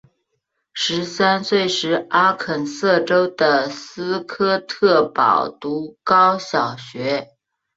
十三岁时阿肯色州的斯科特堡读高小学。